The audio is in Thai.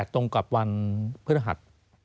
ตรงกับวันพฤหัส